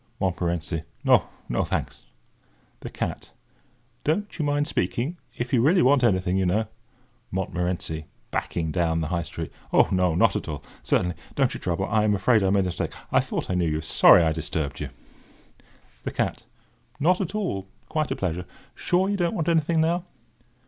MONTMORENCY: "No—no, thanks." THE CAT: "Don't you mind speaking, if you really want anything, you know." MONTMORENCY (backing down the High Street): "Oh, no—not at all—certainly—don't you trouble. I—I am afraid I've made a mistake. I thought I knew you. Sorry I disturbed you." THE CAT: "Not at all—quite a pleasure. Sure you don't want anything, now?"